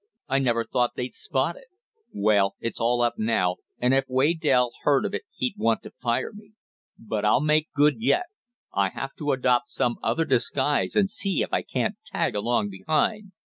I never thought they'd spot it. Well, it's all up now, and if Waydell heard of it he'd want to fire me. But I'll make good yet. I'll have to adopt some other disguise, and see if I can't tag along behind."